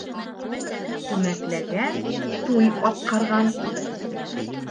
Күмәкләгән туй атҡарған.